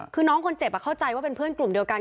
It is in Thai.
คือน้องคนเจ็บเข้าใจว่าเป็นเพื่อนกลุ่มเดียวกัน